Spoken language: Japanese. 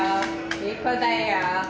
いい子だよ。